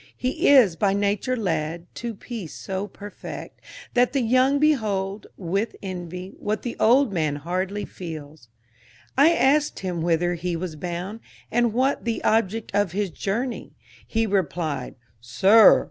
He is by nature led To peace so perfect, that the young behold With envy, what the old man hardly feels. —I asked him whither he was bound, and what The object of his journey; he replied "Sir!